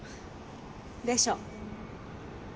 でしょ。